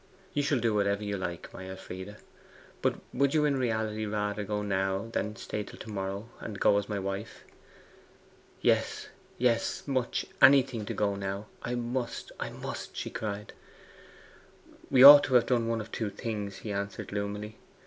You shall do whatever you like, my Elfride. But would you in reality rather go now than stay till to morrow, and go as my wife?' 'Yes, yes much anything to go now. I must; I must!' she cried. 'We ought to have done one of two things,' he answered gloomily.